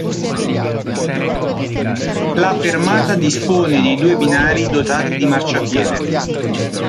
La fermata dispone di due binari dotati di marciapiede.